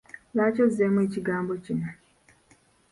Lwaki ozzeemu ekigambo kino?